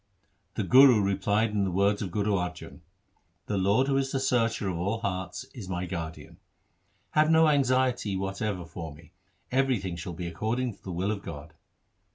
The Guru replied in the words of Guru Arjan :— The Lord who is the Searcher of all hearts Is my guardian. 1 ' Have no anxiety whatever for me, everything shall be according to the will of God.'